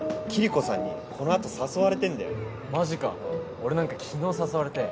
俺なんか昨日誘われたよ。